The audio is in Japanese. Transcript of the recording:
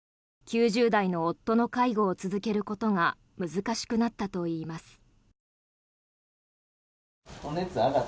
９０代の夫の介護を続けることが難しくなったといいます。